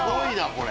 これ。